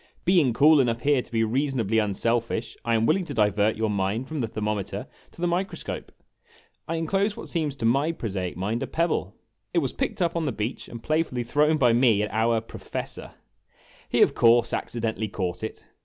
Being cool enough here to be reasonably unselfish, I am willing to divert your mind from the thermometer to the microscope. I inclose what seems to my prosaic mind a pebble. It was picked up on the beach and playfully thrown by me at our " Professor." He, of course accidentally, caught it.